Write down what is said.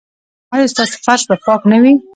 ایا ستاسو فرش به پاک نه وي؟